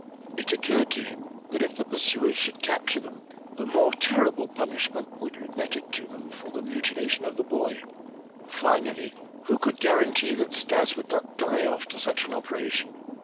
It occurred to him that if the pursuers should capture them, a more terrible punishment would be meted to them for the mutilation of the boy. Finally, who could guarantee that Stas would not die after such an operation?